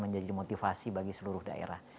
menjadi motivasi bagi seluruh daerah